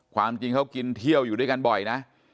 ความจริงเขากินเที่ยวอยู่ด้วยกันบ่อยนะ